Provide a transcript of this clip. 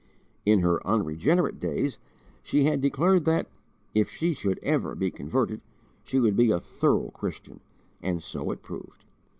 In her unregenerate days she had declared that, if she should ever be converted, she would be "a thorough Christian," and so it proved.